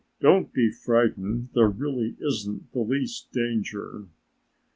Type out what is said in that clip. Don't be frightened, there really isn't the least danger."